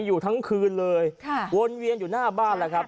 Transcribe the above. อยู่ทั้งคืนเลยค่ะวนเวียนอยู่หน้าบ้านแล้วครับ